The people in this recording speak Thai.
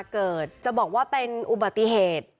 จะบอกว่าเป็นอุบัติเหตุ